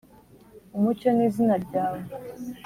umucyo ni izina ryawe;